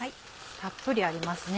たっぷりありますね。